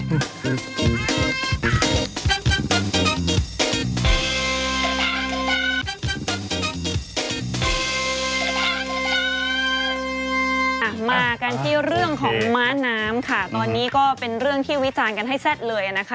อ่ะมากันที่เรื่องของม้าน้ำค่ะตอนนี้ก็เป็นเรื่องที่วิจารณ์กันให้แซ่ดเลยนะคะ